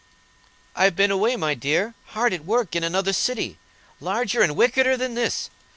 "I've been away, dear heart, hard at work in another city, larger and wickeder than this.